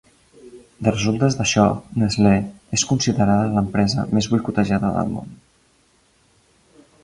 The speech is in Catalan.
De resultes d'això Nestlé és considerada l'empresa més boicotejada del món.